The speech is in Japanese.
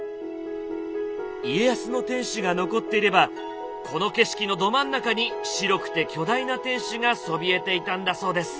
家康の天守が残っていればこの景色のど真ん中に白くて巨大な天守がそびえていたんだそうです。